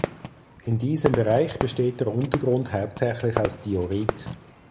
In diesem Bereich besteht der Untergrund hauptsächlich aus Diorit.